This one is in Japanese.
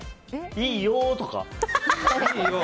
いいよーとか。